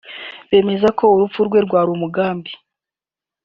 bemeza ko urupfu rwe rwari umugambi